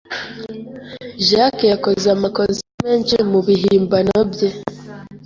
Jack yakoze amakosa menshi mubihimbano bye.